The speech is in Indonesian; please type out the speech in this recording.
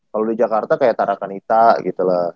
kalau di jakarta kayak tarakanita gitu loh